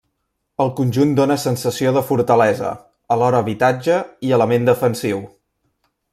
El conjunt dóna sensació de fortalesa, alhora habitatge i element defensiu.